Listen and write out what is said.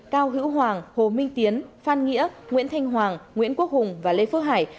cao hữu hoàng hồ minh tiến phan nghĩa nguyễn thanh hoàng nguyễn quốc hùng và lê phước hải